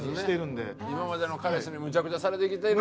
今までの彼氏にむちゃくちゃされてきての。